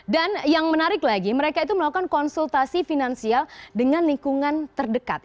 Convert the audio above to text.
dan yang menarik lagi mereka itu melakukan konsultasi finansial dengan lingkungan terdekat